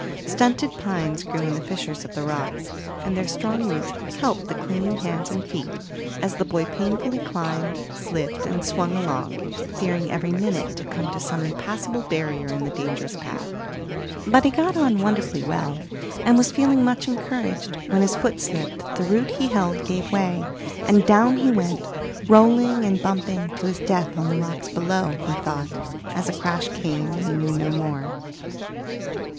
Stunted pines grew in the fissures of the rocks, and their strong roots helped the clinging hands and feet as the boy painfully climbed, slipped, and swung along, fearing every minute to come to some impassable barrier in the dangerous path. But he got on wonderfully well, and was feeling much encouraged, when his foot slipped, the root he held gave way, and down he went, rolling and bumping to his death on the rocks below, he thought, as a crash came, and he knew no more.